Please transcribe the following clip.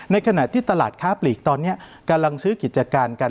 ในขณะที่ตลาดค้าปลีกตอนนี้กำลังซื้อกิจการกัน